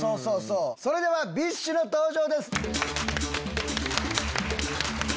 それではＢｉＳＨの登場です！